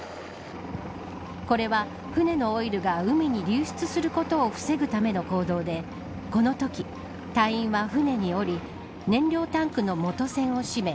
これは船のオイルが海に流出することを防ぐための行動でこのとき隊員は船に降り燃料タンクの元栓を締め